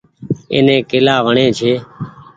ايني ڪيلآ وڻي ڇي۔